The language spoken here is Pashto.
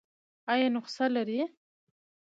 ایا نسخه لرئ؟